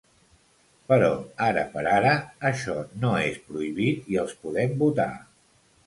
Però, ara per ara, això no és prohibit i els podem votar.